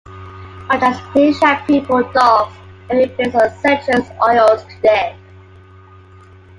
Much as flea shampoo for dogs can be based on citrus oils today.